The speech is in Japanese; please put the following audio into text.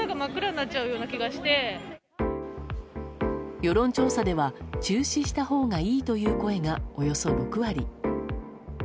世論調査では中止したほうがいいという声がおよそ６割。